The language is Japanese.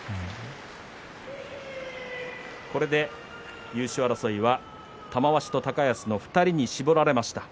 これで優勝争いは玉鷲と高安の２人に絞られました。